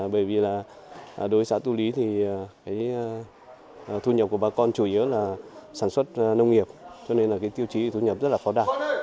bởi vì là đối với xã tu lý thì cái thu nhập của bà con chủ yếu là sản xuất nông nghiệp cho nên là cái tiêu chí thu nhập rất là khó đạt